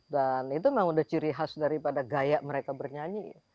dan itu memang udah ciri khas daripada gaya mereka bernyanyi